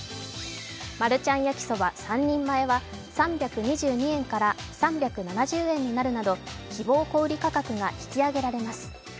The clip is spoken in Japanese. マルちゃん焼そば３人前は３２２円から３７０円になるなど、希望小売価格が引き上げられます。